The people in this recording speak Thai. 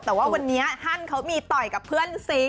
แต่ว่าวันนี้ฮั่นเขามีต่อยกับเพื่อนซี